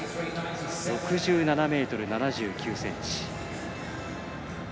６７ｍ７９ｃｍ。